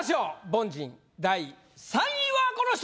凡人第３位はこの人！